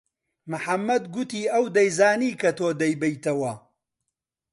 محەممەد گوتی ئەو دەیزانی کە تۆ دەیبەیتەوە.